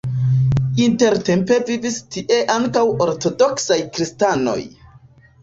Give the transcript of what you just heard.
Intertempe vivis tie ankaŭ ortodoksaj kristanoj.